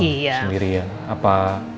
sendiri ya apa